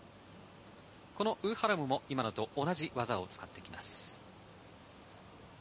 このウ・ハラムも今と同じ技を使ってきます。